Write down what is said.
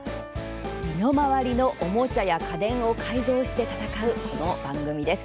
身の回りのおもちゃや家電を改造して戦うこの番組です。